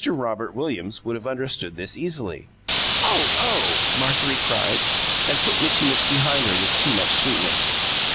Robert Williams would have understood this, easily. "Oh, oh!" Marjorie cried, and put Mitchy Mitch behind her with too much sweetness.